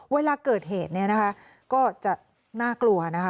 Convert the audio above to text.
เวลาเกิดเหตุเนี่ยนะคะก็จะน่ากลัวนะคะ